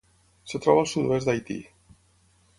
Es troba al sud-oest d'Haití.